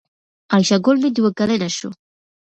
عایشه ګل مې دوه کلنه شو